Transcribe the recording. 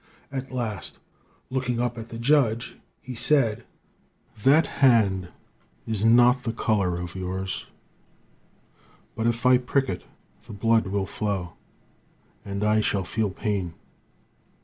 At last, looking up at the judge, he said: "'That hand is not the color of yours, but if I prick it, the blood will flow, and I shall feel pain.